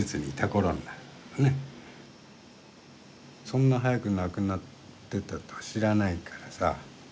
そんな早く亡くなってたとは知らないからさ。